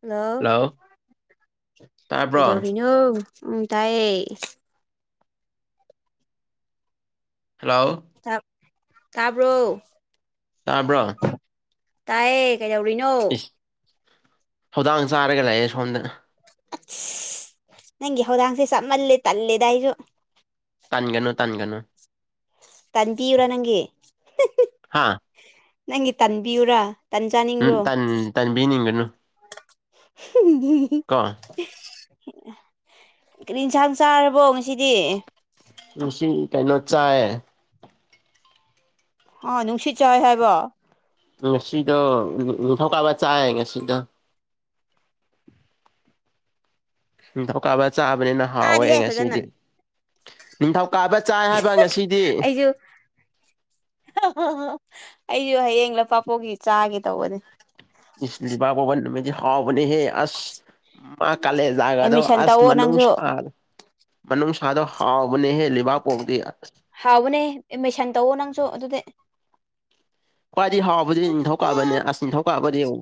hello ꯇꯥꯕ꯭ꯔꯣ ꯀꯩꯗꯧꯔꯤꯅꯨ ꯎ ꯇꯥꯏ ꯍꯂꯣ ꯇꯥꯕ꯭ꯔꯣ ꯇꯥꯕ꯭ꯔꯣ ꯇꯥꯏꯌꯦ ꯀꯩꯗꯧꯔꯤꯅꯣ ꯏꯁ ꯊꯧꯗꯥꯡ ꯆꯥꯔꯒ ꯂꯩꯥꯛꯑꯦ ꯁꯣꯝꯗ ꯅꯪꯒꯤ ꯍꯣꯗꯪꯁꯤꯦ ꯆꯃꯜꯦ ꯇꯂꯦꯗ ꯍꯥꯏꯁꯨ ꯇꯥꯟꯒꯅꯨ ꯇꯥꯟꯒꯅꯨ ꯇ ꯇꯤ ꯏ꯭ꯔ ꯅꯪꯦ ꯍꯥꯥ ꯅꯪꯒꯤ ꯇꯟꯕꯤꯌꯨꯔꯥ ꯎꯝ ꯇꯟꯖꯥꯅꯤꯡꯕꯨꯔꯣ ꯇꯟ ꯇꯟꯕꯤꯅꯤꯡꯒꯅꯨ ꯍ ꯀꯣ ꯀꯔꯤ ꯌꯦꯟꯁꯥꯡ ꯆꯥꯔꯕꯣ ꯉꯁꯤꯗꯤ ꯉꯁꯤ ꯀꯩꯅꯣ ꯆꯌꯦ ꯑꯥ ꯅꯨꯡꯁꯤꯠ ꯆꯥꯏ ꯍꯥꯏꯕꯣ ꯉꯁꯤꯗꯣ ꯅꯤꯡ ꯊꯧꯀꯥꯕ ꯆꯥꯏ ꯉꯁꯤꯗ ꯅꯤꯡꯊꯧꯀꯥꯕ ꯆꯥꯕꯅꯤꯅ ꯍꯥꯎꯋꯦ ꯑꯩ ꯇꯥꯗꯤꯍꯦ ꯐꯖꯅ ꯉꯁꯤꯗꯤ ꯅꯤꯡꯊꯧꯀꯥꯕ ꯆꯥꯏ ꯍꯥꯏꯕ ꯉꯁꯤꯗꯤ ꯑꯩꯁꯨ ꯑꯩꯁꯨ ꯍꯌꯦꯡꯂ ꯂꯄꯥꯄꯣꯛꯒꯤ ꯆꯥꯒꯦ ꯇꯧꯕꯅꯦ ꯏꯁꯗꯤ ꯕꯥꯕꯕꯥꯕꯟ ꯃ ꯍꯥꯎꯕꯅꯦ ꯍꯦ ꯑꯁ ꯃꯥ ꯀꯂꯦꯖꯒꯗꯣ ꯑꯦꯠꯃꯤꯁꯟ ꯑꯁ ꯇꯧꯋꯣ ꯅꯪꯁꯨ ꯃꯅꯨꯁꯔ ꯃꯅꯝ ꯁꯥꯗꯣ ꯍꯥꯥꯎꯕꯅꯦꯍ ꯂ ꯂꯤꯕꯥ ꯄꯣ ꯍꯥꯎꯕꯅꯦ ꯃꯦꯁꯟ ꯇꯧꯋ ꯅꯪꯁꯨ ꯑꯗꯨꯗꯤ ꯈ꯭ꯋꯥꯏꯗꯤ ꯍꯥꯎꯕꯗꯤ ꯅꯤꯡꯊꯧꯀꯥꯕꯅꯦ ꯑꯁ ꯅꯤꯡꯊꯧꯀꯥꯕꯗꯤ ꯌꯦꯡ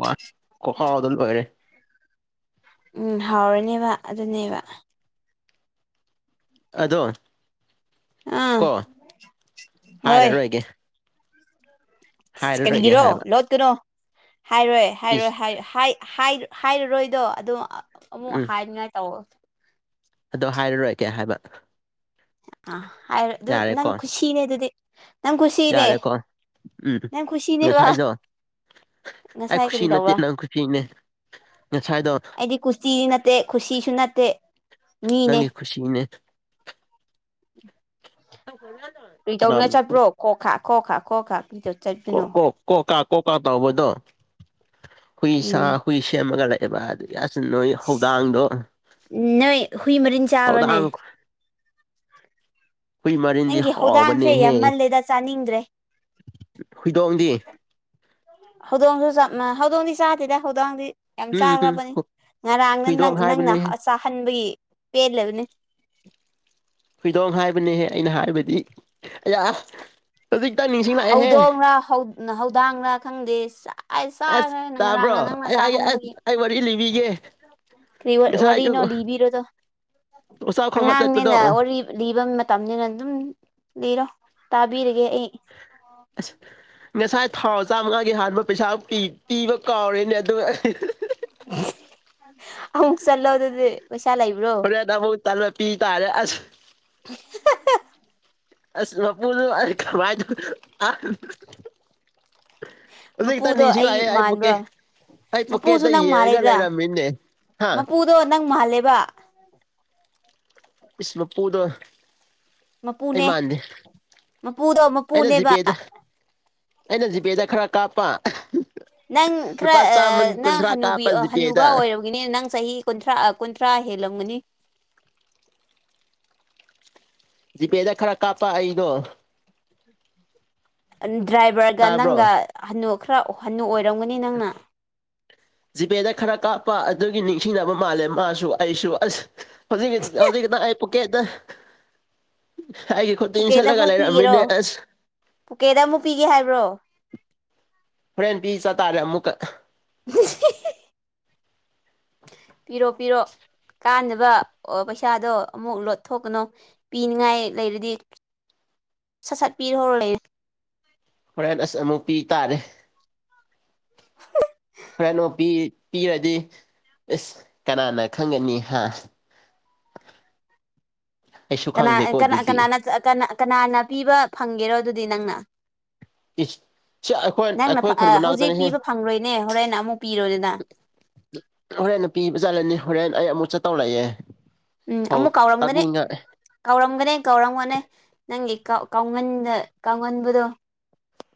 ꯋꯥ ꯍꯥꯎꯗꯅ ꯂꯣꯏꯔꯦ ꯎꯝ ꯍꯥꯎꯔꯅꯦꯕ ꯑꯗꯨꯅꯦꯕ ꯑꯗꯣ ꯑꯥ ꯀꯣ ꯍꯣꯏ ꯍꯥꯏꯔꯔꯣꯏꯒꯦ ꯍꯥꯏꯔꯔꯣꯏꯒꯦ ꯀꯔꯤꯒꯤꯔꯣ ꯍꯥꯏꯕ ꯂꯣꯠꯇꯨꯅꯣ ꯍꯥꯏꯔꯣꯏ ꯍꯥꯏꯔꯣꯏ ꯏꯁ ꯍꯥꯏ ꯍꯥꯏ ꯍꯥꯏꯔꯔꯣꯏꯗꯣ ꯑꯗꯣ ꯑꯃꯨꯛ ꯎꯝ ꯍꯥꯏꯅꯤꯡꯉꯥꯏ ꯇꯧꯔꯛ ꯑꯗꯣ ꯍꯥꯏꯔꯔꯣꯏ ꯀꯦ ꯍꯥꯏꯕ ꯑ ꯍꯥꯏꯔ ꯑꯗꯨ ꯅꯪ ꯌꯥꯔꯦꯀꯣ ꯈꯨꯁꯤꯅꯦꯦ ꯑꯗꯨꯗꯗꯤ ꯅꯪ ꯈꯨꯨꯁꯤꯅꯦ ꯌꯥꯔꯦꯀꯣ ꯎꯝ ꯅꯪ ꯈꯨꯁꯤꯅꯦꯕ ꯉꯁꯥꯏꯗꯣ ꯑꯩ ꯉꯁꯥꯏ ꯈꯨꯁꯤ ꯀꯔꯤ ꯅꯠꯇꯦ ꯇꯧꯕ꯭ꯔꯥ ꯅꯪ ꯈꯨꯁꯤꯅꯦ ꯉꯁꯥꯏꯗꯣ ꯆꯤ ꯅꯠꯇꯦ ꯈꯨꯁꯤꯁꯨ ꯅꯠꯇꯦ ꯃꯤꯅꯦ ꯅꯪꯒꯤ ꯈꯨꯁꯤ ꯏꯅꯦ ꯍꯖꯗ ꯀ꯭ꯔꯤꯇꯧꯅ ꯆꯠꯄ꯭ꯔꯣ ꯈꯣ ꯈꯥ ꯈꯣ ꯈꯥ ꯈꯣ ꯈꯥ ꯀꯔꯤꯇ ꯀꯣ ꯀꯣꯀꯥ ꯀꯣꯀꯥ ꯇꯥꯎꯕꯗꯣ ꯍꯨꯏ ꯁꯥ ꯎꯝ ꯑꯩꯣꯏꯁ ꯑꯃ ꯀ ꯑꯦꯕ ꯍꯥꯏꯗꯤ ꯌꯥꯁꯤ ꯅꯣꯏ ꯍꯧꯗꯥꯡꯗꯣ ꯑ ꯅꯣꯏ ꯍꯨꯏ ꯃꯔꯤꯟ ꯆꯥꯕ꯭ꯔꯅꯦ ꯍꯧꯧꯗꯥꯡ ꯃꯔꯤꯟꯗꯤ ꯅꯪꯒꯤ ꯍꯧꯧꯗꯥꯡꯁꯦ ꯍꯥꯎꯕꯅꯦꯍꯦ ꯌꯥꯝꯃꯜꯂꯦꯗ ꯆꯥꯅꯤꯡꯗ꯭ꯔꯦ ꯍꯨꯏꯗꯣꯡꯗꯤ ꯍꯧꯗꯣꯡꯁꯨ ꯆ ꯍꯧꯗꯣꯡꯗꯤ ꯆꯥꯗꯦꯗ ꯍꯧꯗꯣꯡꯗꯤ ꯌꯥꯝ ꯎꯝ ꯎꯝ ꯆꯥꯈ꯭ꯔꯕꯅꯤ ꯉꯔꯥꯡꯅ ꯍꯨꯏꯗꯣꯡ ꯅꯪꯅ ꯍꯥꯏꯕꯅꯦꯍꯦ ꯆꯥꯍꯟꯕꯒꯤ ꯄꯦꯜꯂꯕꯅꯤ ꯍꯨꯏꯗꯣꯡ ꯍꯥꯏꯕꯅꯦꯍꯦ ꯑꯩꯅ ꯍꯥꯏꯕꯗꯤ ꯑ ꯍꯧꯖꯤꯛꯇ ꯅꯤꯡꯁꯤꯡ ꯂꯥꯛꯑꯦꯍꯦ ꯍ ꯅꯊꯧꯧꯗꯥꯡꯅ ꯈꯪꯗꯦ ꯆꯥꯛ ꯑꯩ ꯑꯁ ꯆꯥꯈ꯭ꯔꯦꯅ ꯇꯥꯕ꯭ꯔꯣ ꯉꯔꯥꯡꯅ ꯅꯪꯅ ꯑꯩ ꯍꯥꯏꯒꯦ ꯑꯁ ꯆꯥꯍꯟꯕꯒꯤ ꯑꯩ ꯋꯥꯔꯤ ꯂꯤꯕꯤꯒꯦ ꯀ ꯉꯁꯥꯏ ꯋꯥꯔꯤ ꯅꯣ ꯑꯌꯨꯛ ꯂꯤꯕꯕꯤꯔꯣꯗꯣ ꯑꯣꯆꯥꯎ ꯈꯣꯡꯕ ꯆꯠꯄꯗꯣ ꯑꯉꯥꯡꯅꯤꯅ ꯋꯥꯔꯤ ꯂꯤꯕ ꯃꯇꯝꯅꯤꯅ ꯑꯗꯨꯝ ꯂꯤꯔꯣ ꯇꯥꯕꯤꯔꯒꯦ ꯑꯩ ꯑ ꯉꯁꯥꯏ ꯊꯥꯎ ꯆꯥꯝꯃꯉꯥꯒꯤ ꯍꯥꯟꯕ ꯄꯩꯁꯥ ꯄꯤꯕ ꯀꯥꯎꯔꯦꯅꯦ ꯑꯗꯨꯒ ꯑꯩ ꯑꯃꯨꯛ ꯆꯠꯂꯣ ꯑꯗꯨꯗꯤ ꯄꯩꯁꯥ ꯂꯩꯕ꯭ꯔꯣ ꯐꯦꯗ ꯇꯥ ꯄꯤ ꯇꯥꯔꯦꯁ ꯑꯁ ꯃꯄꯨ ꯑꯔ ꯀꯥꯏ ꯃꯄꯨꯗꯣ ꯑꯩ ꯃꯥꯟꯕ꯭ꯔꯣ ꯑ ꯄꯨꯛꯦ ꯃꯄꯨꯁꯨ ꯑꯗ ꯅꯪ ꯌꯦꯡꯒꯂ ꯃꯥꯜꯂꯦꯗ ꯏꯔ ꯃꯤꯟꯅꯦ ꯍꯥ ꯃꯄꯨꯗꯣ ꯅꯪ ꯃꯥꯍꯜꯂꯦꯕ ꯏꯁ ꯃꯄꯨꯗ ꯃꯄꯨꯅꯦ ꯃꯄꯨꯗꯣ ꯑꯩꯅ ꯃꯄꯨꯅꯦꯕ ꯖꯤꯄꯦꯗ ꯑꯩꯅ ꯖꯤꯄꯦꯗ ꯈꯔ ꯀꯥꯞꯄ ꯅꯪ ꯈꯔ ꯂꯨꯄꯥ ꯆꯥꯝꯃ ꯅꯪ ꯀꯨꯟꯊ꯭ꯔꯥ ꯍꯕꯤ ꯀꯥꯞꯄ ꯍꯟꯅꯨꯕ ꯖꯤꯄꯦꯗ ꯑꯣꯏ ꯅꯦ ꯅꯪ ꯆꯍꯤ ꯀꯨꯟꯊ꯭ꯔꯥ ꯀꯨꯟꯊ꯭ꯔꯥ ꯍꯦꯜꯂꯝꯒꯅꯤ ꯖꯤꯄꯦꯗ ꯈꯔ ꯀꯥꯞꯄ ꯑꯩꯗꯣ ꯗ꯭ꯔꯥꯏꯚꯔꯒ ꯅꯪꯒ ꯇꯥꯕ꯭ꯔꯣ ꯍꯟꯅꯨ ꯈꯔ ꯍꯟꯅꯨ ꯑꯣꯏꯔꯝꯒꯅꯤ ꯅꯪꯅ ꯖꯤꯄꯦꯗ ꯈꯔ ꯀꯥꯞꯄ ꯑꯗꯨꯒꯤ ꯅꯤꯡꯁꯤꯡꯅꯕ ꯃꯥꯜꯂꯦ ꯃꯥꯁꯨ ꯑꯩꯁꯨ ꯑꯁ ꯍꯧꯖꯤꯛ ꯍꯧꯖꯤꯛꯗ ꯑꯩꯄ ꯀꯦ ꯍꯥꯏꯗ ꯍꯥꯏꯦ ꯀꯠꯇ ꯄꯨꯀꯦꯗ ꯑꯃꯨꯛ ꯏꯁꯂꯒꯂ ꯄꯤꯒꯦꯔꯣ ꯔꯃꯤꯅꯦꯁ ꯄꯨꯀꯦꯗ ꯑꯃꯨꯛ ꯄꯤꯒꯦ ꯍꯥꯏꯕ꯭ꯔꯣ ꯐ꯭ꯔꯦꯟ ꯄꯤ ꯆ ꯇꯇꯥꯔꯦ ꯑꯃꯨꯛꯀ ꯄꯤꯔꯣ ꯄꯤꯔꯣ ꯀꯥꯟꯅꯕ ꯄꯩꯁꯥꯗꯣ ꯑꯃꯨꯛ ꯂꯣꯠꯊꯣꯛꯀꯅꯨ ꯄꯤꯅꯤꯡꯉꯥꯏ ꯂꯩꯔꯗꯤ ꯁꯠ ꯁꯠ ꯄꯤꯔ ꯍꯧꯔ ꯂꯩꯔ ꯍꯣꯔꯦꯟ ꯑꯁ ꯑꯃꯨꯛ ꯄꯤ ꯇꯥꯔꯦ ꯍꯣꯔꯦꯟ ꯑꯃꯨꯛ ꯄꯤ ꯄꯤꯔꯗꯤ ꯏꯁꯁ ꯀꯅꯥꯅ ꯈꯪꯒꯅꯤ ꯍꯥ [inaudible] ꯑꯩꯁꯨ ꯀ ꯈꯪꯗꯦꯀꯣ ꯑꯗꯨꯗꯤ ꯀ ꯀꯅꯥꯅ ꯄꯤꯕ ꯐꯪꯒꯦꯔꯣ ꯑꯗꯨꯗꯤ ꯅꯪꯅ ꯀꯤꯁ ꯅꯪꯅ ꯍꯧꯖꯤꯛ ꯄꯤꯕ ꯐꯪꯂꯣꯏꯅꯦ ꯍꯣꯔꯦꯟꯅ ꯑꯃꯨꯛ ꯄꯤꯔꯣꯗꯅ ꯍꯣꯔꯦꯟ ꯅꯨꯄꯤꯕꯨ ꯆꯠꯂꯅꯤ ꯍꯣꯔꯦꯟ ꯑꯩ ꯑꯃꯨꯛ ꯆꯠꯇꯧꯔꯛꯑꯦ ꯎꯝ ꯑꯃꯨꯛ ꯀꯥꯎꯔꯝꯒꯅꯤ ꯀꯥꯎꯔꯝꯒꯅꯦ ꯀꯧꯔꯝꯒꯣꯅꯦ ꯅꯪꯒꯤ ꯀꯥꯎꯒꯟꯗ ꯀꯥꯎꯒꯟꯕꯗꯣ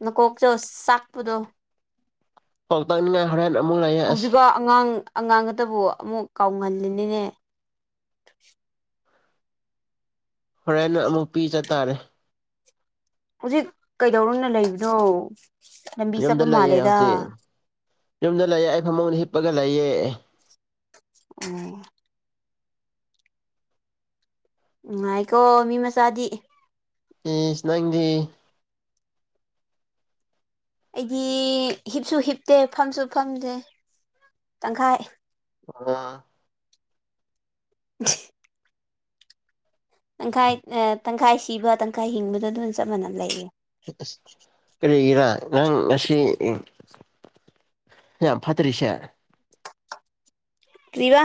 ꯃꯀꯣꯛꯇꯣ ꯆꯥꯛꯄꯨꯗꯣ ꯄꯥꯎꯅ ꯍꯔ ꯍꯧꯖꯤꯐ ꯑꯉꯥꯡ ꯑꯉꯥꯡ ꯑꯇꯕꯨ ꯑꯃꯨꯛ ꯀꯥꯎꯍꯜꯂꯤꯅꯤꯅꯦ ꯍꯣꯔꯦꯟꯦꯟ ꯑꯃꯨꯛ ꯄꯤꯖ ꯇꯥꯔꯦ ꯍꯧꯖꯤꯛ ꯀꯩꯗꯧꯔꯣꯅ ꯂꯩꯕꯅꯣ ꯂꯝꯕꯤ ꯌꯨꯝꯗ ꯆꯠꯄ ꯂꯩꯌꯦ ꯃꯥꯜꯂꯦꯗ ꯍꯧꯖꯤꯛ ꯌꯨꯝꯗ ꯂꯩꯌꯦ ꯑꯩ ꯐꯃꯨꯡꯗ ꯍꯤꯞꯄꯒ ꯂꯩꯌꯦ ꯑꯣ ꯎꯉꯥꯏꯀꯣ ꯃꯤ ꯃꯆꯥꯗꯤ ꯅꯪꯒꯤ ꯑꯩꯗꯤ ꯍꯤꯞꯁꯨ ꯍꯤꯞꯇꯦ ꯐꯝꯁꯨ ꯐꯝꯗꯦ ꯇꯪꯈꯥꯏ ꯑ ꯎ ꯇꯪꯈꯥꯏ ꯇꯪꯈꯥꯏ ꯁꯤꯕ ꯇꯪꯈꯥꯏ ꯍꯤꯡꯕꯗꯣ ꯑꯗꯨꯝ ꯆꯞ ꯃꯥꯟꯅ ꯂꯩꯌꯦ ꯀꯔꯤ ꯏꯔꯥ ꯅꯪ ꯉꯁꯤ ꯍ ꯌꯥꯝ ꯐꯠꯇꯔꯤꯁꯦ ꯀ꯭ꯔꯤꯚ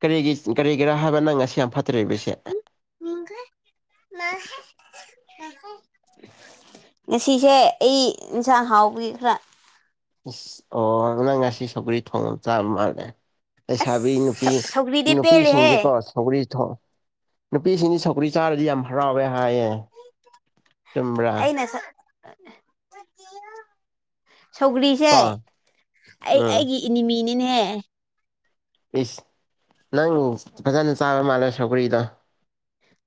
ꯀꯔꯤꯒꯤ ꯀꯔꯤꯒꯤꯔꯥ ꯍꯥꯏꯕ ꯅꯪ ꯉꯁꯤ ꯌꯥꯝ ꯐꯠꯇ꯭ꯕꯁꯦ [inaudible] [inaudible] ꯉꯁꯤꯁꯦ ꯑꯩ ꯏꯟꯁꯥꯡ ꯍꯥꯎꯕꯒꯤ ꯈꯔ ꯏꯁ ꯑꯣ ꯅꯪ ꯉꯁꯤ ꯁꯄꯔꯤ ꯊꯣꯡꯕ ꯆꯥꯕ ꯃꯥꯜꯂꯦ ꯂꯩꯁꯥꯕꯤ ꯑꯁ ꯅꯨꯄꯤ ꯁꯧ ꯁꯧꯒ꯭ꯔꯤꯗꯤ ꯅꯨꯄꯤꯁꯤꯡꯗꯤꯀꯣ ꯄꯦꯜꯂꯤꯍꯦ ꯁꯧꯀ꯭ꯔꯤ ꯅꯨꯄꯤꯁꯤꯡꯗꯤ ꯁꯧꯀ꯭ꯔꯤ ꯆꯥꯔꯗꯤ ꯌꯥꯝ ꯍꯔꯥꯎꯋꯦ ꯍꯥꯏꯌꯦ ꯆꯨꯝ꯭ꯔꯥ ꯑꯩꯅ ꯁ ꯁꯧꯒ꯭ꯔꯤꯁꯦ ꯀꯣ ꯑꯩ ꯎꯝ ꯑꯩꯒꯤ ꯏꯅꯤꯃꯤꯅꯤꯅꯦ ꯄ ꯅꯪꯕꯨ ꯐꯖꯅ ꯆꯥꯕ ꯃꯥꯜꯂꯦ ꯁꯧꯀꯔꯤꯗꯣ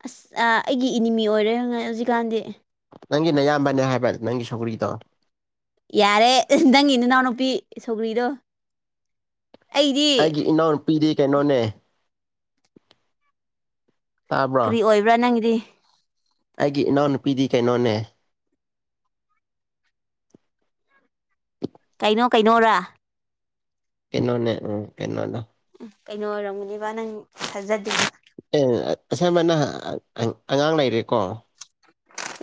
ꯑꯁ ꯑꯩꯒꯤ ꯏꯅꯤꯃꯤ ꯑꯣꯏꯔꯦꯉꯥꯏ ꯍꯧꯖꯤꯛꯀꯥꯟꯗꯤ ꯅꯪꯒꯤ ꯅꯌꯥꯝꯕꯅꯦ ꯍꯥꯏꯕ ꯅꯪꯒꯤ ꯁꯧꯒ꯭ꯔꯤꯗꯣ ꯌꯥꯔꯦ ꯅꯪꯒꯤ ꯏꯅꯥꯎꯅꯨꯄꯤ ꯁꯧꯒ꯭ꯔꯤꯗꯣ ꯑꯩꯗꯤ ꯑꯩꯒꯤ ꯏꯅꯥꯎꯅꯨꯄꯤꯗꯤ ꯀꯩꯅꯣꯅꯦ ꯇꯥꯕ꯭ꯔꯣ ꯀꯔꯤ ꯑꯣꯏꯕ꯭ꯔꯥ ꯅꯪꯒꯤꯗꯤ ꯑꯩꯒꯤ ꯏꯅꯥꯎꯅꯨꯄꯤꯗꯤ ꯀꯩꯅꯣꯅꯦ [inaudible] ꯀꯩꯅꯣ ꯀꯩꯅꯣꯣꯔꯥ ꯀꯤꯅꯣꯟꯅꯦ ꯎꯝ ꯀꯤꯅꯣꯗꯣ ꯎꯝ ꯀꯩꯅꯣ ꯑꯣꯏꯔꯝꯒꯅꯦꯕ ꯅꯪ ꯊꯥꯖꯗꯦꯕ ꯑꯦ ꯑꯁꯝꯕꯅ ꯑꯉꯥꯡ ꯂꯩꯔꯦꯀꯣ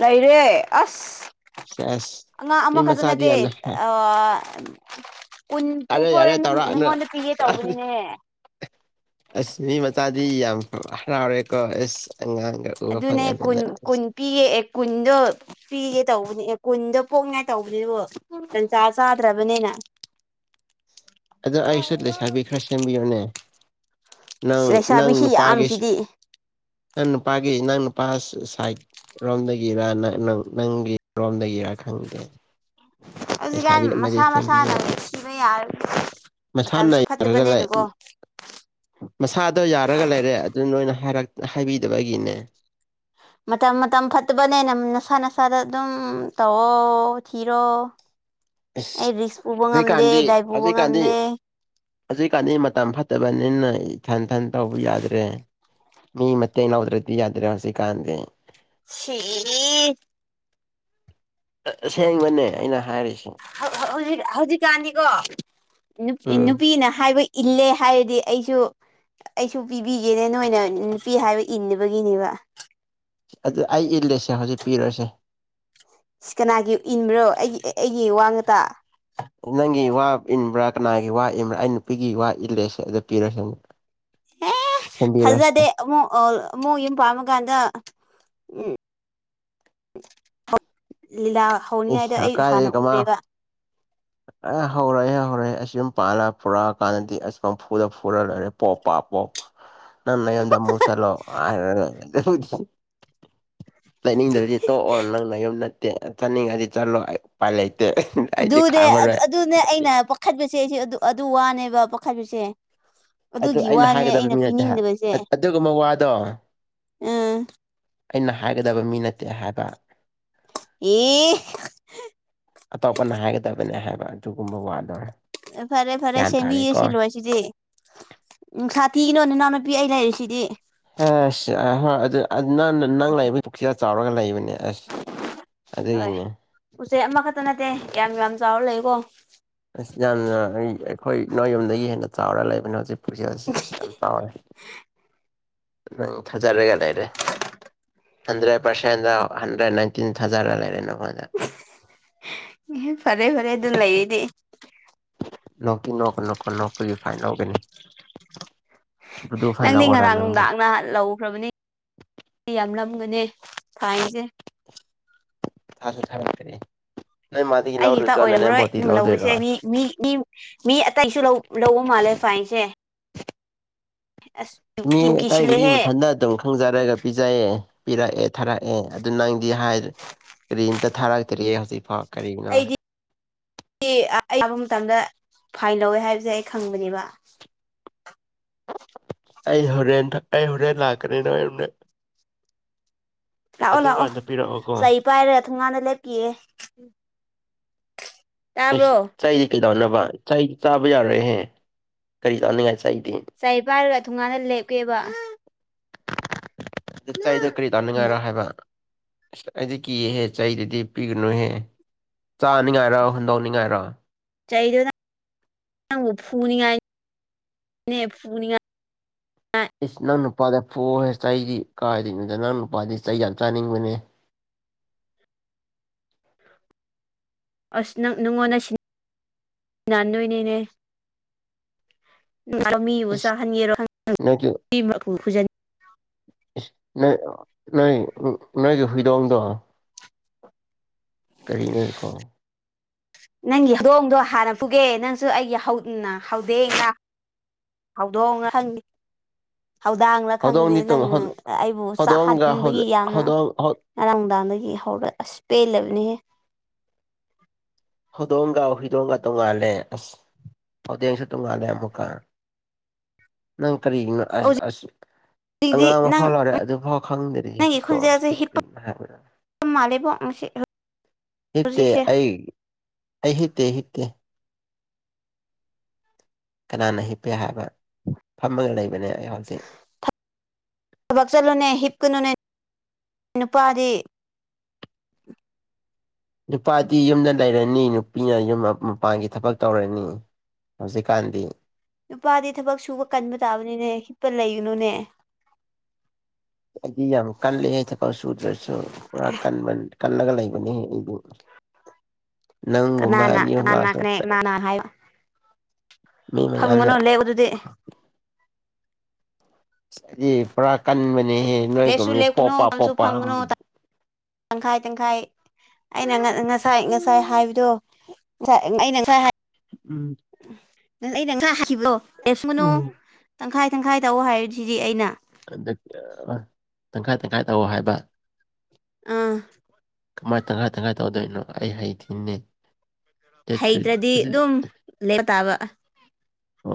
ꯂꯩꯔꯦ ꯑꯁ ꯁꯦꯁ ꯑꯉꯥꯡ ꯃꯤ ꯑꯃꯈꯛꯇ ꯃꯆꯥꯗꯤ ꯅꯠꯇꯦ ꯌꯥꯝꯅ ꯑꯣ ꯎꯟ ꯌꯥꯔꯦ ꯄꯣꯛꯊꯣꯔꯦ ꯌꯥꯔꯦ ꯅꯪ ꯇꯧꯔꯛꯑꯅꯨ ꯅꯪꯉꯣꯟꯗ ꯄꯤꯒꯦ ꯇꯧꯕꯅꯤꯅꯦ ꯑꯁ ꯃꯤ ꯃꯆꯥꯗꯤ ꯌꯥꯝ ꯍꯔꯥꯎꯔꯦꯀꯣ ꯑꯦꯁ ꯉꯥꯡ ꯎ ꯐꯉꯗꯅ ꯄꯤꯒꯦ ꯑꯦ ꯀꯨꯟꯗꯣ ꯄꯤꯒꯦ ꯇꯧꯕꯅꯦ ꯑꯦ ꯀꯨꯟꯗꯣ ꯄꯣꯛꯅꯤꯡꯉꯥꯏ ꯇꯧꯕꯅꯦꯕ ꯇꯟ ꯆꯥ ꯆꯥꯗ꯭ꯔꯕꯅꯤꯅ ꯑꯗꯣ ꯑꯩꯌꯨꯁꯨ ꯂꯩꯁꯥꯕꯤ ꯈꯔ ꯁꯦꯝꯕꯤꯌꯨꯅꯦ ꯅꯪ ꯑꯁ ꯅꯪ ꯂꯩꯁꯥꯕꯤꯁꯤ ꯅꯨꯄꯥꯒꯤ ꯌꯥꯝꯁꯤꯗꯤ ꯅꯪ ꯅꯨꯄꯥꯒꯤ ꯅꯪ ꯅꯨꯄꯥ ꯁꯥꯏꯠ ꯔꯣꯝꯗꯒꯤꯔ ꯅꯪꯒꯤ ꯔꯣꯝꯗꯒꯤꯔ ꯈꯪꯗꯦ ꯍꯧꯖꯤꯛꯀꯥꯟ ꯂꯩꯁꯥꯕꯤ ꯑꯃꯗꯤ ꯃꯁꯥ ꯃꯁꯥꯅ ꯁꯦꯝꯕꯤꯔꯣꯅꯦ ꯁꯤꯕ ꯌꯥꯔꯒꯦ ꯃꯁꯥꯅ ꯃꯇꯝꯁꯨ ꯌꯥꯔꯒ ꯂꯩ ꯐꯠꯇꯕꯅꯦꯅꯀꯣ ꯃꯁꯥꯗꯣ ꯌꯥꯔꯒ ꯂꯩꯔꯦ ꯑꯗꯨ ꯅꯣꯏꯅꯔꯛ ꯍꯥꯏꯕꯤꯗꯕꯒꯤꯅꯦ ꯃꯇꯝ ꯃꯇꯝ ꯐꯠꯇꯕꯅꯦꯅ ꯅꯁꯥ ꯅꯁꯥꯗ ꯑꯗꯨꯝ ꯇꯧꯑꯣ ꯊꯤꯔꯣ ꯑꯁ ꯑꯩ ꯔꯤꯛꯁ ꯄꯨꯕ ꯉꯝꯗꯦ ꯍꯧꯖꯤꯛꯀꯥꯟꯗꯤ ꯗꯥꯏ ꯄꯨꯕ ꯉꯝꯗꯦ ꯍꯧꯖꯤꯛ ꯀꯥꯟꯗꯤ ꯃꯇꯝ ꯐꯠꯇꯕꯅꯤꯅ ꯏꯊꯟ ꯊꯟ ꯇꯧꯕ ꯌꯥꯗ꯭ꯔꯦ ꯃꯤ ꯃꯦꯡ ꯌꯥꯎꯗ꯭ꯔꯗꯤ ꯌꯥꯗ꯭ꯔꯦ ꯍꯥꯁꯤ ꯀꯥꯟꯗꯦ ꯁꯤ ꯁꯦꯡꯕꯟꯅꯦ ꯍꯧꯖꯤꯛ ꯍꯧꯖꯤꯛꯀꯥꯟꯅꯤꯀꯣ ꯎꯝ ꯅꯨꯄꯤꯅ ꯍꯥꯏꯕ ꯏꯜꯂꯦ ꯍꯥꯏꯔꯗꯤ ꯑꯩꯁꯨ ꯑꯩꯁꯨ ꯄꯤꯕꯤꯒꯦꯅꯦ ꯅꯣꯏꯅ ꯅꯨꯄꯤ ꯍꯥꯏꯕ ꯏꯟꯅꯕꯒꯤꯅꯦꯕ ꯑꯗꯨꯗ ꯑꯩ ꯏꯜꯂꯁꯦ ꯍꯧꯖꯤꯛ ꯄꯤꯔꯨꯔꯁꯦ ꯁꯤ ꯀꯅꯥꯒꯤ ꯏꯟꯕ꯭ꯔꯣ ꯑꯩꯒꯤ ꯑꯩꯒꯤ ꯋꯥ ꯉꯇ ꯅꯪꯒꯤ ꯋꯥ ꯏꯟꯕ꯭ꯔꯥ ꯀꯅꯥꯒꯤ ꯋꯥ ꯏꯟꯕ꯭ꯔꯥ ꯑꯩ ꯅꯨꯄꯤꯒꯤ ꯋꯥ ꯏꯜꯂꯦꯁꯦ ꯑꯗꯨꯗ ꯄꯤꯔꯁꯅ ꯑꯦ ꯐꯖꯗꯦ ꯑꯃꯨꯛ ꯑꯃꯨꯛ ꯌꯨꯝ ꯄꯥꯝꯃꯀꯥꯟꯗ ꯎꯝ ꯂꯤꯂꯥ ꯍꯧꯅꯤꯡꯉꯥꯏꯗ ꯏꯁ ꯑꯩ ꯍꯥꯟꯅ ꯀꯥꯏꯗꯩ ꯀꯃꯥꯏ ꯎꯔꯦꯕ ꯑꯦ ꯍꯧꯔꯛꯑꯦ ꯍꯧꯔꯛꯑꯦ ꯑꯁ ꯌꯨꯝ ꯄꯥꯜꯂ ꯐꯨꯔꯛꯑ ꯀꯥꯟꯗꯗꯤ ꯑꯁ ꯄꯝꯐꯨꯗ ꯐꯨꯔ ꯂꯣꯏꯔꯦ ꯄꯣ ꯄꯥꯛ ꯄꯣ ꯅꯥꯟ ꯌꯗꯃꯨ ꯆꯂꯣ ꯂꯩꯅꯤꯡꯗꯕꯗꯤ ꯇꯣꯛꯑꯣ ꯅꯪꯅ ꯌꯨꯝ ꯅꯠꯇꯦ ꯆꯠꯅꯤꯡꯉꯗꯤ ꯆꯠꯂꯣ ꯑꯌꯨ ꯄꯄꯥ ꯂꯩꯇꯦ ꯍꯥꯏꯗꯤ ꯑꯗꯨꯅꯦ ꯑꯗꯨꯅꯦ ꯑꯩꯅ ꯄꯥꯈꯠꯄꯁꯦ ꯑꯩꯁꯦ ꯑꯗꯨ ꯋꯥꯅꯦꯕ ꯄꯥꯈꯠꯄꯁꯦ ꯑꯗꯨ ꯑꯗꯨꯒꯤ ꯑꯩꯅ ꯋꯥꯅꯦ ꯍꯥꯏꯒꯗꯕ ꯃꯤ ꯅꯠꯇꯦ ꯍꯥꯏ ꯄꯤꯅꯤꯡꯗꯕꯁꯦ ꯑꯗꯨꯒꯨꯝꯕ ꯋꯥꯗꯣ ꯎꯝ ꯑꯩꯅ ꯍꯥꯏꯒꯗꯕ ꯃꯤ ꯅꯠꯇꯦ ꯍꯥꯏꯕ ꯌꯦ ꯑꯇꯣꯞꯄꯅ ꯍꯥꯏꯒꯗꯕꯅꯦ ꯍꯥꯏꯕ ꯑꯗꯨꯒꯨꯝꯕ ꯋꯥꯗꯔꯦ ꯐꯔꯦ ꯐꯔꯦ ꯁꯦꯝꯦꯃꯤꯕꯤ ꯌꯦ ꯁꯤ ꯂ ꯁꯤꯗꯤ ꯎꯝ ꯁꯥꯇꯤꯒꯤꯅꯣ ꯏꯅꯥꯎꯅꯨꯄꯤ ꯑꯩ ꯂꯩꯔꯤꯦ ꯁꯤꯗꯤ ꯑ ꯍ ꯑꯗꯨ ꯑꯗꯨ ꯅ ꯅꯪ ꯂꯩꯕꯁꯤꯔ ꯆꯥꯎꯔꯒ ꯂꯩꯕꯅꯦ ꯑꯁ ꯍꯣꯏ ꯑꯗꯨꯒꯤꯅꯦ ꯎꯆꯦꯛ ꯑꯃꯈꯛꯇ ꯅꯠꯇꯦ ꯌꯥꯝ ꯌꯥꯝ ꯆꯥꯎꯔ ꯂꯩꯀꯣ ꯑꯁ ꯌꯥꯝꯅ ꯑꯩꯈꯣꯏ ꯅꯣꯏ ꯌꯨꯝꯗꯒꯤ ꯍꯦꯟꯅ ꯆꯥꯎꯔ ꯂꯩꯕꯅꯦ ꯍꯧꯖꯤꯛ ꯄꯨꯛꯆꯦꯜꯁꯦ ꯑ ꯌꯥꯝ ꯆꯥꯎꯋꯦ ꯅꯪ ꯊꯥꯖꯔꯒ ꯂꯩꯔꯦ ꯍꯟꯗ꯭ꯔꯦꯠ ꯄꯥꯔꯁꯦꯟꯗ ꯍꯟꯗ꯭ꯔꯦꯠ ꯅꯥꯏꯟꯇꯤꯟ ꯊꯥꯖꯔ ꯂꯩꯔꯦ ꯅꯈꯣꯟꯗ ꯐꯔꯦ ꯐꯔꯦ ꯑꯗꯨ ꯂꯩꯔꯤꯗꯤ ꯅꯣꯛꯀꯤ ꯅꯣꯛ ꯅꯣꯛꯀ ꯅꯣꯛꯄꯒꯤ ꯐꯥꯏꯟ ꯂꯧꯒꯅꯤ ꯕꯨꯗꯨ ꯐꯥꯏꯟ ꯅꯪꯗꯤ ꯂꯧꯔꯣꯔꯥ ꯉꯔꯥꯡ ꯅꯪꯕꯨ ꯅꯨꯡꯗꯥꯡꯅ ꯂꯧ ꯐꯈ꯭ꯔꯕꯅꯤ ꯌꯥꯝ ꯂꯒꯅꯤ ꯁꯥꯏꯅꯁꯦ ꯊꯥꯁꯦ ꯊꯔꯠꯇꯔꯔꯤ ꯑꯩꯒꯤ ꯍꯛꯇ ꯑꯣꯏꯔꯝꯔꯣꯏꯝ ꯂꯧꯗꯣꯏꯔꯣ ꯂꯧꯔꯤꯁꯦ ꯃꯤ ꯃꯤ ꯃꯤ ꯑꯇꯩꯁꯨ ꯂꯧꯕ ꯃꯥꯜꯂꯦ ꯐꯥꯏꯟꯁꯦ ꯑꯁ ꯀꯤꯕꯨ ꯇꯥꯏꯍꯤꯗꯤ ꯀꯤꯁꯤꯜꯂꯦꯍꯦ ꯃꯊꯟꯗ ꯑꯗꯨꯝ ꯐꯪꯖꯔꯒ ꯄꯤꯖꯩꯌꯦ ꯄꯤꯔꯛꯑꯦ ꯊꯥꯔꯛꯑꯦ ꯑꯗꯨ ꯅꯪꯗꯤ ꯍꯥꯏ ꯀꯔꯤꯝꯇ ꯊꯥꯔꯛꯇ꯭ꯔꯤ ꯍꯧꯖꯤꯛꯐꯥꯎ ꯀꯔꯤꯅꯣ ꯁꯤ ꯑꯩ ꯂꯥꯛꯄ ꯃꯇꯝꯗ ꯐꯥꯏꯟ ꯂꯧꯋꯦ ꯍꯥꯏꯕꯁꯦ ꯑꯩ ꯈꯪꯕꯅꯦꯕ [inaudible] ꯑꯩ ꯍꯣꯔꯦꯟ ꯑꯩ ꯍꯣꯔꯦꯟ ꯂꯥꯛꯀꯅꯤꯅ ꯅꯣꯏ ꯌꯨꯝꯗ ꯂꯥꯛꯑꯣ ꯂꯥꯛꯑꯣ ꯑꯗꯨꯀꯥꯟꯗ ꯄꯤꯔꯛꯑꯣꯀꯣ ꯆꯩ ꯄꯥꯏꯔꯒ ꯊꯣꯡꯒꯥꯟꯗ ꯂꯦꯞꯀꯤꯌꯦ ꯑꯩ ꯇꯥꯕ꯭ꯔꯣ ꯁꯗꯤ ꯀꯩ ꯇꯧꯅꯕ ꯏꯗꯤ ꯆꯥꯕ ꯌꯥꯔꯣꯏꯍꯦ ꯀꯔꯤ ꯆꯥꯅꯤꯡꯉꯥꯏ ꯁꯗꯤ ꯆ ꯄꯥꯏꯔꯒ ꯊꯣꯡꯉꯥꯟꯅ ꯂꯦꯞꯀꯦꯕ ꯑꯗꯨꯇꯗ ꯀꯔꯤ ꯇꯥꯅꯤꯡꯉꯥꯏꯔꯣ ꯍꯥꯏꯕ ꯑꯁ ꯑꯩꯗꯤ ꯀꯤꯌꯦꯦꯍꯦ ꯆꯍꯤꯗꯨꯗꯤ ꯄꯤꯒꯅꯨꯍꯦ ꯆꯥꯅꯤꯉꯥꯏꯔꯣ ꯍꯟꯗꯣꯛꯅꯤꯡꯉꯥꯏꯔꯣ ꯆ ꯐ ꯐ ꯏꯁ ꯅꯪ ꯅꯨꯄꯥꯗ ꯐꯨꯦ ꯆꯩꯗꯤ ꯀꯥꯏꯗꯣꯏꯉꯣꯗ ꯅꯪ ꯅꯨꯄꯥꯗꯤ ꯆꯩ ꯌꯥꯝ ꯆꯥꯅꯤꯡꯕꯅꯦ ꯑꯁ ꯅꯪ ꯅꯪꯉꯣꯟꯗ ꯁꯤꯟꯅꯟꯗꯣꯏꯅꯦꯅꯦ ꯃꯤꯕꯨ ꯏꯁ ꯆꯥꯍꯟꯒꯤꯔꯣ ꯅꯣꯏꯒꯤ ꯅꯣꯏ ꯅꯣꯏꯒꯤ ꯍꯧꯗꯣꯡ ꯗꯑꯣ ꯀꯔꯤꯅꯣꯀꯣ ꯅꯪꯒꯤ ꯍꯧꯗꯣꯡꯗꯣ ꯍꯥꯟꯅ ꯄꯨꯒꯦ ꯅꯪꯁꯨ ꯑꯩꯒꯤ ꯍꯧꯗꯦꯡ ꯍꯧꯗꯣꯡ ꯍꯧꯗꯥꯡꯅꯥ ꯈꯪꯗꯦ ꯍꯧꯗꯣꯡꯗꯤ ꯅꯪ ꯇꯣꯡ ꯍꯧ ꯑꯩꯕꯨ ꯍꯧꯗꯣꯡꯒ ꯍꯧ ꯆꯥꯛꯍꯟꯕꯒꯤ ꯌꯥꯝꯅ ꯍꯧꯗꯣꯡ ꯍꯧ ꯉꯔꯥꯡ ꯅꯨꯡꯗꯥꯡꯗꯒꯤ ꯍꯧꯔ ꯑꯁ ꯄꯦꯜꯂꯕꯅꯤꯍꯦ ꯍꯧꯗꯣꯡꯒ ꯍꯨꯏꯗꯣꯡꯒ ꯇꯣꯡꯉꯥꯜꯂꯦ ꯑꯁ ꯍꯧꯗꯦꯡꯁꯨ ꯇꯣꯡꯉꯥꯟꯜꯂꯦ ꯑꯃꯨꯛꯀꯥ ꯅꯪ ꯀꯔꯤꯅꯣ ꯑꯁ ꯑꯁ ꯑꯉꯥꯡ ꯍꯧꯖꯤꯛꯇꯤꯗꯤ ꯑꯃ ꯐꯥꯎ ꯅꯪ ꯂꯧꯔꯦ ꯑꯗꯨꯐꯥꯎ ꯈꯪꯗꯔꯤ ꯅꯣꯡꯁꯤꯗꯤ ꯀꯔꯤꯅꯣ ꯍꯥꯏꯕꯗ ꯃꯥꯂꯦꯕꯣ ꯉꯁꯤ ꯍꯤꯞꯇꯦ ꯍꯧꯖꯤꯀꯁꯦ ꯑꯩ ꯑꯩ ꯍꯤꯞ ꯇꯦ ꯍꯤꯞꯇꯦ ꯀꯅꯥꯅ ꯍꯤꯞꯄꯦ ꯍꯥꯏꯕ ꯐꯝꯃꯒ ꯂꯩꯕꯅꯦ ꯑꯩ ꯍꯧꯖꯤꯛ ꯊꯕꯛ ꯆꯠꯂꯨꯅꯦ ꯍꯤꯞꯀꯅꯨꯅꯦ ꯅꯨꯄꯥꯗꯤ ꯅꯨꯄꯥꯗꯤ ꯌꯨꯝꯗ ꯂꯩꯔꯅꯤ ꯅꯨꯄꯤꯅ ꯌꯨꯝ ꯃꯄꯥꯟꯒꯤ ꯊꯕꯛ ꯇꯧꯔꯅꯤ ꯍꯧꯖꯤꯛꯀꯥꯟꯗꯤ ꯅꯨꯄꯥꯗꯤ ꯊꯕꯛ ꯁꯨꯕ ꯀꯟꯕ ꯇꯥꯕꯅꯤꯅꯦ ꯍꯤꯞ ꯄ ꯂꯩꯒꯅꯨꯅꯦ ꯑꯩꯗꯤ ꯌꯥꯝ ꯀꯜꯂꯤ ꯍꯥꯏ ꯊꯕꯛ ꯁꯨꯗ꯭ꯔꯁꯨ ꯄꯨꯔꯥ ꯀꯟꯕ ꯀꯜꯂꯒ ꯂꯩꯕꯅꯦꯍ ꯑꯩꯗꯤ ꯅꯪꯒꯨꯝꯕ ꯀꯅꯥꯅ ꯑꯅꯤ ꯑꯍꯨꯝ ꯀꯅꯥꯅꯅꯥ ꯂꯥꯛꯑꯁꯨ ꯀꯅ ꯍꯥꯏꯌꯣ ꯃꯤ ꯃꯌꯥꯝꯅ ꯐꯝꯒꯅꯨ ꯂꯦꯄ ꯑꯗꯨꯗꯤ ꯗꯤ ꯄꯨꯔꯥ ꯀꯟꯕꯅꯦꯍꯦ ꯂꯦꯞꯁꯨ ꯅꯣꯏꯒꯨꯝꯅꯤ ꯄꯣꯄ ꯂꯦꯞꯀꯅꯨ ꯐꯝꯁꯨ ꯄꯣꯄ ꯐꯝꯒꯅꯨ ꯇꯪꯈꯥꯏ ꯇꯪꯈꯥꯏ ꯑꯩꯅ ꯉꯁꯥꯏ ꯉꯁꯥꯏ ꯍꯥꯏꯕꯗꯣ ꯉꯥꯏ ꯑꯩꯅ ꯉꯁꯥꯏ ꯎꯝ ꯎ ꯑꯩꯅ ꯉꯥꯁꯥꯏ ꯍꯥꯏꯈꯤꯕꯂꯣ ꯂꯦꯞꯁꯀ ꯅꯨ ꯎꯝ ꯇꯪꯈꯥꯏ ꯇꯪꯈꯥꯏ ꯇꯧꯑꯣ ꯍꯥꯏꯔꯤꯁꯤꯗꯤ ꯑꯩꯅ ꯑ ꯇꯪꯈꯥꯏ ꯇꯪꯈꯥꯏ ꯇꯧꯑꯣ ꯍꯥꯏꯕ ꯑꯥ ꯀꯃꯥꯏ ꯇꯪꯈꯥꯏ ꯇꯪꯈꯥꯏ ꯇꯧꯗꯣꯏꯅꯣ ꯑꯩ ꯍꯩ ꯊꯤꯅꯦ ꯍꯩꯇ꯭ꯔꯗꯤ ꯑꯗꯨꯝ ꯂꯩꯕ ꯇꯥꯕ